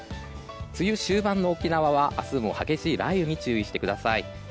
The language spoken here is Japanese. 梅雨終盤の沖縄は明日も激しい雷雨に注意してください。